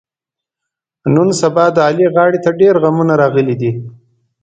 نن سبا د علي غاړې ته ډېرغمونه راغلي دي.